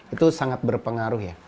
itu sangat berpengaruh ya